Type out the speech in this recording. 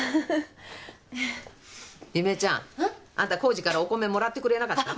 あんた功治からお米もらってくれなかった？